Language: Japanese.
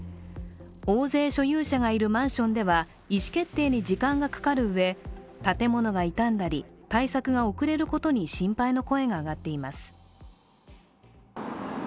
大勢所有者がいるマンションでは、意思決定に時間がかかるうえ、建物が傷んだり対策が遅れることに心配の声が上がっています。